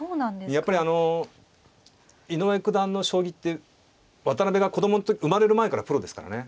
やっぱりあの井上九段の将棋って渡辺が子供の時生まれる前からプロですからね。